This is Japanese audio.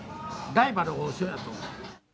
ライバルは王将やと。